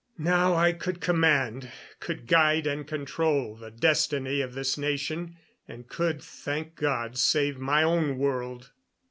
Now I could command, could guide and control, the destiny of this nation, and could, thank God, save my own world.